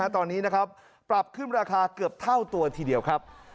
ตอนนี้นะครับปรับขึ้นราคาเกือบเท่าตัวทีเดียวครับ